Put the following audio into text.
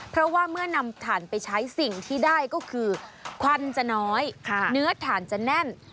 เพราะว่าเมื่อนำถ่านไปใช้สิ่งที่ได้ก็คือควันจะน้อยเนื้อถ่านจะแน่น